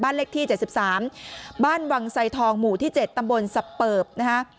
เลขที่๗๓บ้านวังไซทองหมู่ที่๗ตำบลสับเปิบนะฮะ